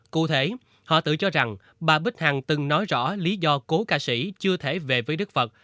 cụ thể họ tự cho rằng bà bích hằng từng nói rõ lý do cố ca sĩ chưa thể về với đức phật